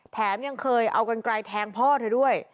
แถมยังเคยเอากันไกลแทงพ่อเธอด้วย